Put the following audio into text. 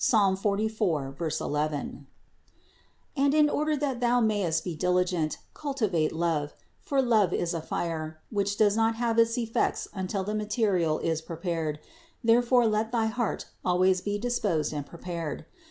44, 11). THE INCARNATION 161 And in order that thou mayest be diligent, cultivate love ; for love is a fire, which does not have its effect until the material is prepared; therefore let thy heart always be disposed and prepared.